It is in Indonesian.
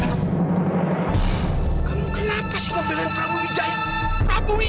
oke saya pergi sekarang tapi om juga harus pergi